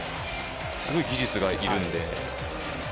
すごい技術がいるんで。